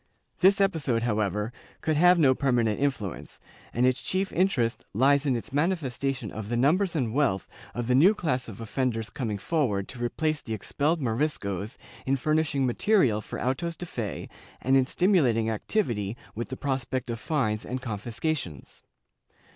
This episode, however could have no permanent influence and its chief interest lies in its manifestation of the numbers and wealth of the new class of offenders coming forward to replace the expelled Moriscos in furnishing material for autos de fe and in stimulating activity with the prospect of fines and confiscations.